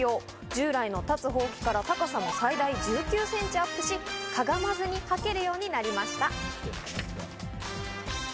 従来の立つほうきから高さも最大１９センチアップし、かがまずにはけるようになりました。